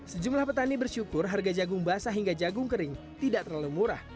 sejumlah petani bersyukur harga jagung basah hingga jagung kering tidak terlalu murah